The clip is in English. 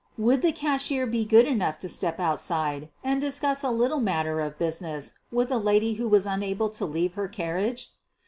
Would the cashier be good enough to step outside and discuss a little matter of business with a lady who was unable to leave her carriage?